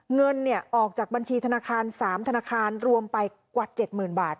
เงินออกจากบัญชีธนาคาร๓ธนาคารรวมไปกว่า๗๐๐๐บาท